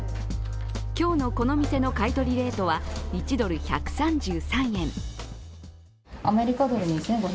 今日のこの店の買い取りレートは１ドル１３３円。